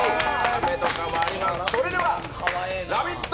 それではラヴィット！